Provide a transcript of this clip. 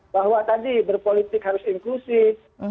bahwa tadi berpolitik harus inklusif